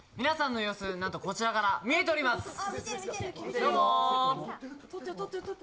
皆さんの様子、なんとこちらから見えております。